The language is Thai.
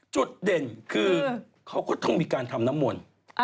จุดเด่นคือเขาก็ต้องมีการทำน้ำมนต์